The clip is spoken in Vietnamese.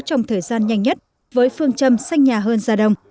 trong thời gian nhanh nhất với phương châm xanh nhà hơn gia đồng